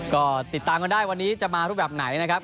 ก็ติดตามกันได้วันนี้จะมารูปแบบไหนนะครับ